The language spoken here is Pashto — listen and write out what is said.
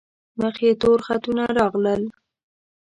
مخ یې تور خطونه راغلل.